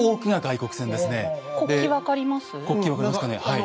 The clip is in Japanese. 国旗分かりますかね。